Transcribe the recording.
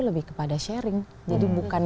lebih kepada sharing jadi bukan